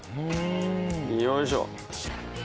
よいしょ。